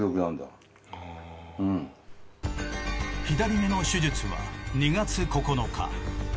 左目の手術は２月９日。